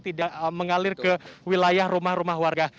tidak mengalir ke wilayah rumah rumah warga